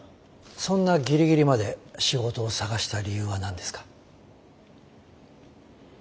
そんなギリギリまで仕事を探した理由は何ですか？